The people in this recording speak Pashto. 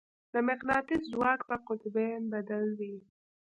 د مقناطیس ځواک په قطبین بدل وي.